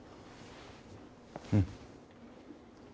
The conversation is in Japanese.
うん。